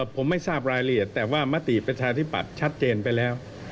ผมไม่ทราบรายละเอียดแต่ว่ามติประชาธิปัตย์ชัดเจนไปแล้ว